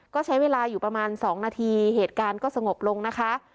ก็ใช้เวลาอยู่ประมาณ๒นาทีเหตุการณ์ก็สงบลงนะคะ